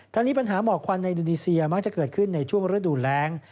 ทั้งนี้ปัญหาหมอกควันในดูนีเซียมักจะเกิดขึ้นในช่วงระดูนแรง